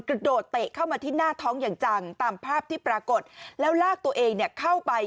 เตะเข้ามาที่หน้าท้องอย่างจังตามภาพที่ปรากฏแล้วลากตัวเองเนี่ยเข้าไป